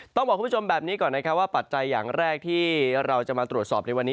ต้องบอกคุณผู้ชมแบบนี้ก่อนนะครับว่าปัจจัยอย่างแรกที่เราจะมาตรวจสอบในวันนี้